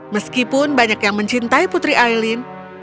meskipun banyak yang mencintai putri aileen